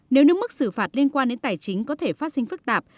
nếu nước mức xử phạt liên quan đến tài chính có thể phát sinh phức tạp